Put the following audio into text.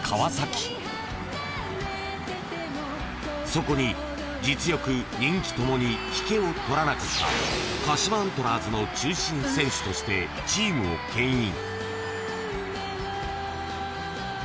［そこに実力人気共に引けを取らなかった鹿島アントラーズの中心選手としてチームをけん引］